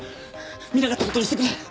見なかった事にしてくれ。